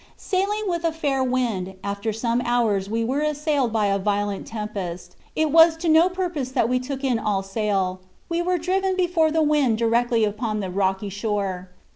"Sailing with a fair wind, after some hours we were assailed by a violent tempest. It was to no purpose that we took in all sail; we were driven before the wind directly upon the rocky shore.